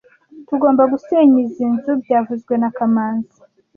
Tugomba gusenya izoi nzu byavuzwe na kamanzi